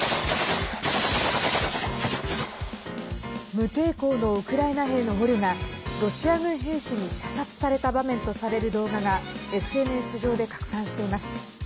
無抵抗のウクライナ兵の捕虜がロシア軍兵士に射殺された場面とされる動画がＳＮＳ上で拡散しています。